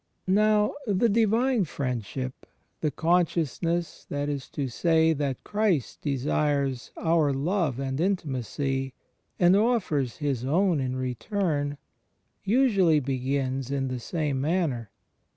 Now the Divine Friendship — the consciousness, that is to say, that Christ desires oxir love and intimacy, and offers His own in return — usually begins in the same manner.